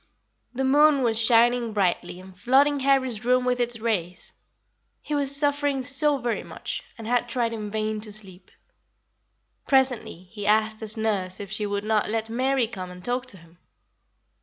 The moon was shining brightly and flooding Harry's room with its rays. He was suffering so very much, and had tried in vain to sleep. Presently he asked his nurse if she would not let Mary come and talk to him.